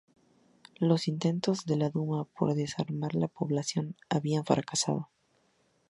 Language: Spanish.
Los intentos de la Duma de desarmar a la población habían fracasado.